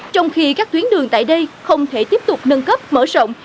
trong khi các tuyến đường tại đây không thể tiếp tục nâng cấp mở rộng